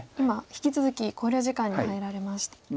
今引き続き考慮時間に入られました。